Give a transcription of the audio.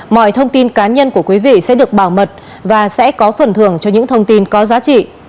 mọi thông tin cá nhân của quý vị sẽ được bảo mật và sẽ có phần thưởng cho những thông tin có giá trị